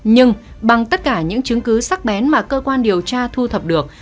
nhưng bằng tất cả những chứng cứ sắc bén mà cơ quan điều tra thu thập được